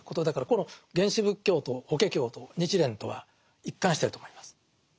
だからこの原始仏教と「法華経」と日蓮とは一貫してると思います。